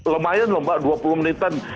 lumayan lho mbak dua puluh menitan